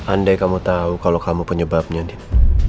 andai kamu tahu kalau kamu penyebabnya deh